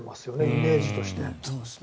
イメージとして。